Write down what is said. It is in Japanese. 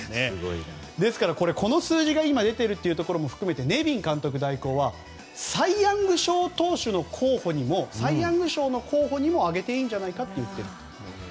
ですから、この数字が今出ているというところも含めてネビン監督代行はサイ・ヤング賞の候補にも挙げていいんじゃないかと言っています。